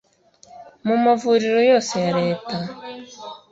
mu mavuriro yose ya Leta